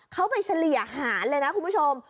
เขาไปเฉลี่ยหารเลยนะคุณผู้ชม